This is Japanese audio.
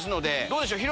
どうでしょう？